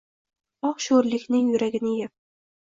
Oh, shoʼrlikning yuragini yeb